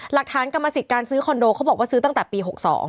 กรรมสิทธิ์การซื้อคอนโดเขาบอกว่าซื้อตั้งแต่ปี๖๒